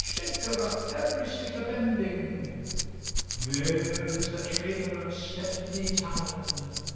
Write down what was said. Shake her up! Every stick a bending! Where is the trader of Stepney town?